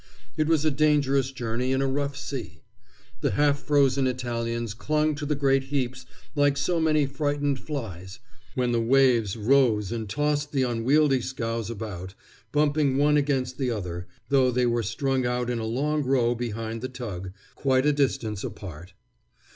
It was a dangerous journey in a rough sea. The half frozen Italians clung to the great heaps like so many frightened flies, when the waves rose and tossed the unwieldy scows about, bumping one against the other, though they were strung out in a long row behind the tug, quite a distance apart.